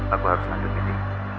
aku harus lanjut gini